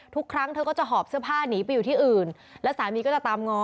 ทุกครั้งเธอก็จะหอบเสื้อผ้าหนีไปอยู่ที่อื่นแล้วสามีก็จะตามง้อ